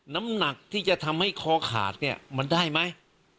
น้ำหนักที่จะทำให้คอขาดเนี่ยมันได้ไหม